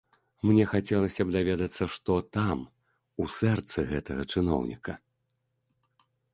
Мне хацелася б даведацца, што там, у сэрцы ў гэтага чыноўніка.